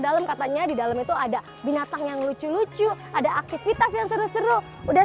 dalam katanya di dalam itu ada binatang yang lucu lucu ada aktivitas yang seru seru udah